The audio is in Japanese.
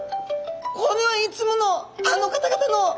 これはいつものあの方々の。